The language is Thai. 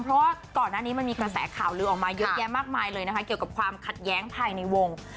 เพราะว่าก่อนหน้านี้มันมีกระแสข่าวลือออกมาเยอะแยะมากมายเลยนะคะเกี่ยวกับความขัดแย้งภายในวง